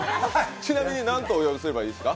ちなみに何とお呼びすればいいですか？